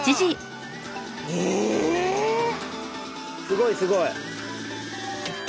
すごいすごい！